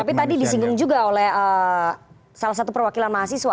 tapi tadi disinggung juga oleh salah satu perwakilan mahasiswa